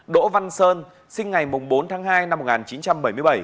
đỗ văn sơn sinh ngày bốn tháng hai năm một nghìn chín trăm bảy mươi bảy